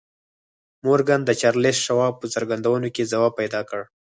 مورګان د چارليس شواب په څرګندونو کې ځواب پيدا کړ.